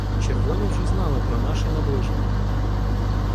Червоні вже знали про наше наближення.